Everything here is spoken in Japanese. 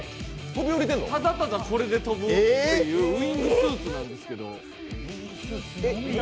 ただただ、これで飛ぶっていうウイングスーツなんですけど。